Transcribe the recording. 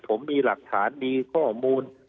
ผมมีหลักฐานมีข้อมูล